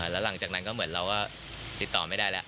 แล้วหลังจากนั้นก็เหมือนเราก็ติดต่อไม่ได้แล้ว